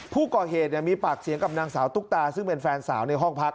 ผู้ก่อเหตุมีปากเสียงกับนางสาวตุ๊กตาซึ่งเป็นแฟนสาวในห้องพัก